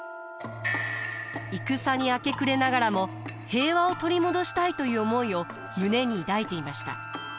戦に明け暮れながらも平和を取り戻したいという思いを胸に抱いていました。